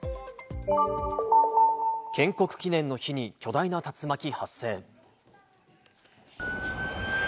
建国記念の日に、巨大な竜巻発生。